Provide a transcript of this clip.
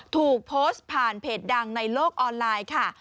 ถูกโพสต์ผ่านเพจดังในโลกออนไลน์ค่ะ